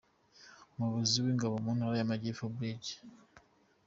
Umuyobozi w’ingabo mu ntara y’Amajyepfo Brig.